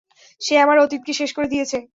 সে আমার অতীতকে শেষ করে দিয়েছে।